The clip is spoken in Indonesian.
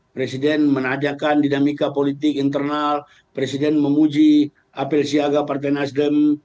presiden menajakan dinamika politik internal presiden memuji apel siaga partai nasdem